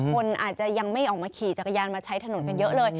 คนอาจจะยังไม่ออกมาขี่จักรยานมาใช้ถนนกันเยอะเลย